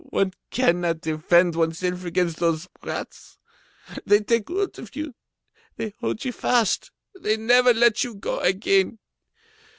One cannot defend oneself against those brats. They take hold of you, they hold you fast, they never let you go again.